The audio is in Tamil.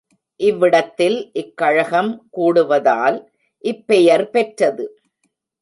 இவ்விடத்தில் இக்கழகம் கூடுவதால், இப்பெயர் பெற்றது.